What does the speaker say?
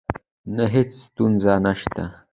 نه، هیڅ ستونزه نشته